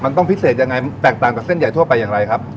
มันต้องพิเศษยังไงแปลกตามกับเยาหาใหญ่ทั่วไปอย่างอะไรครับ